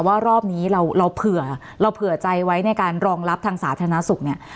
ว่ารอบนี้เราเผื่อใจไว้ในการรองรับทางสาธารณสุข